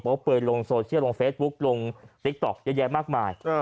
เพราะว่าเปิดลงโซเชียลลงเฟสบุ๊คลงติ๊กต๊อกเยอะแยะมากมาย